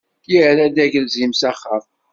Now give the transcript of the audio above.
Yerra-d agelzim s axxam.